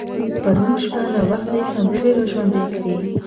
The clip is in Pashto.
پرون شپه ناوخته يې سندرې را ژوندۍ کړې.